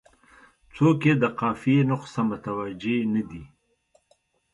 څوک یې د قافیې نقص ته متوجه نه دي.